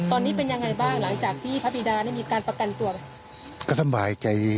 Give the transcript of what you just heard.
ตอนนี้เป็นอย่างไรบ้างหลายจากที่